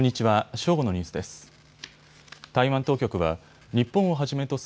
正午のニュースです。